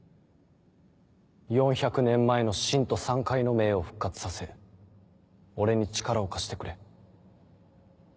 ４００年前の秦と山界の盟を復活させ俺に力を貸してくれ。